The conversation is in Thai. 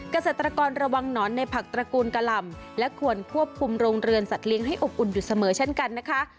เกษตรกรระวังหนอนในผักตระกูลกะหล่ำและควรควบคุมโรงเรือนสัตว์เลี้ยงให้อบอุ่นอยู่เสมอเช่นกันนะคะ